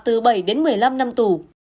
từ bảy đến một mươi năm năm tù